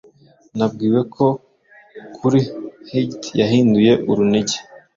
Nabwiwe ko kuri Hygd yahinduye urunigi